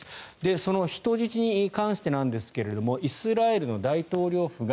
その人質に関してなんですがイスラエルの大統領府が